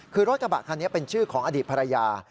คือรถกระบะคันนี้เป็นชื่อของอดีตภรรยา